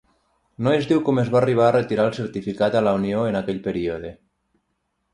No es diu com es va arribar a retirar el certificat a la unió en aquell període.